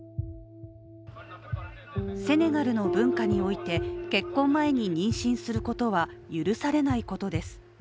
セネガルの文化において、結婚前に妊娠することは許されないことです。